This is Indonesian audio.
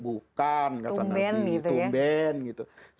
bukan kata nabi tumben gitu